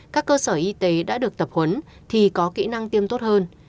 các cơ sở y tế đã được tập huấn thì có kỹ năng tiêm tốt hơn